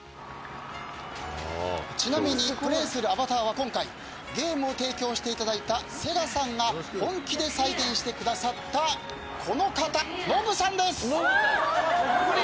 ちなみにプレーするアバターは今回ゲームを提供していただいたセガさんが本気で再現してくださったこの方ノブさんです。